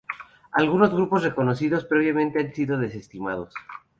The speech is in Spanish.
Algunos grupos reconocidos previamente han sido desestimados.